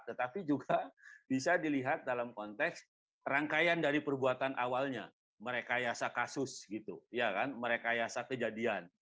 tetapi juga bisa dilihat dalam konteks rangkaian dari perbuatan awalnya merekayasa kasus gitu ya kan merekayasa kejadian